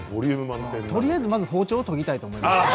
とりあえず包丁を研ぎたいと思います。